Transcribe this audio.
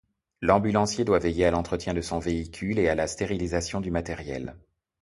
L’ambulancier doit veiller à l’entretien de son véhicule et à la stérilisation du matériel.